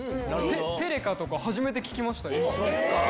テレカとか、初めて聞きました。